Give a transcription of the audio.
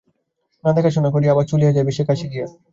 না, দেখাশুনা করিয়া আবার চলিয়া যাইবে সেই কাশী গয়া?